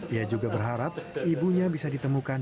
ia juga berharap ibunya bisa ditemukan